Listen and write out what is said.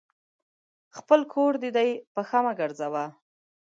خپل کور دي دی ، پښه مه ګرځوه !